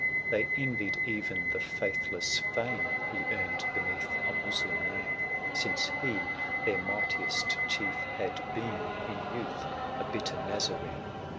270 They envied even the faithless fame He earned beneath a Moslem name ; Since he, their mightiest chief, had been In youth a bitter Nazarene.